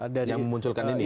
yang memunculkan ini ya